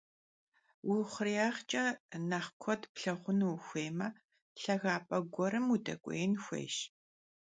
Vui xhurêyağç'e nexh kued plhağunu vuxuêyme, lhagap'e guerım vudek'uêin xuêyş.